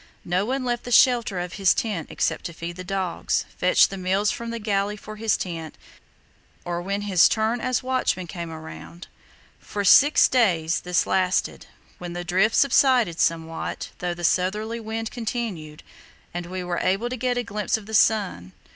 No one left the shelter of his tent except to feed the dogs, fetch the meals from the galley for his tent, or when his turn as watchman came round. For six days this lasted, when the drift subsided somewhat, though the southerly wind continued, and we were able to get a glimpse of the sun.